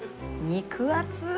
肉厚。